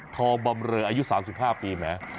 ทองบำเรออายุ๓๕ปีแหม